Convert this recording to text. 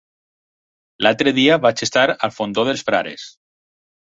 L'altre dia vaig estar al Fondó dels Frares.